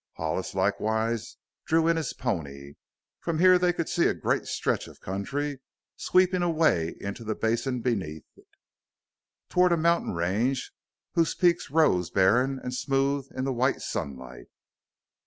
Hollis likewise drew in his pony. From here they could see a great stretch of country, sweeping away into the basin beneath it, toward a mountain range whose peaks rose barren and smooth in the white sunlight.